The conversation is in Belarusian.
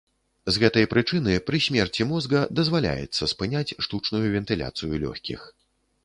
З гэтай прычыны, пры смерці мозга дазваляецца спыняць штучную вентыляцыю лёгкіх.